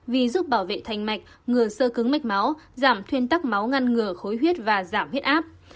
vì giúp bảo vệ thành mạch ngừa sơ cứng mạch máu giảm thuyên tắc máu ngăn ngừa khối huyết và giảm huyết áp